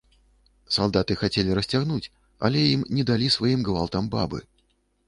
Салдаты хацелі расцягнуць, але ім не далі сваім гвалтам бабы.